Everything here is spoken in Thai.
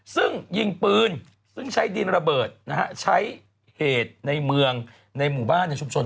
ซึ่งยิงปืนซึ่งใช้ดินระเบิดนะฮะใช้เหตุในเมืองในหมู่บ้านในชุมชน